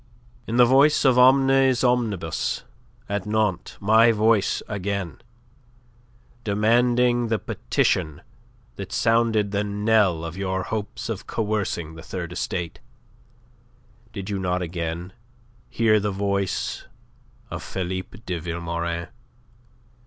In the voice of Omnes Omnibus at Nantes my voice again demanding the petition that sounded the knell of your hopes of coercing the Third Estate, did you not hear again the voice of Philippe de Vilmorin?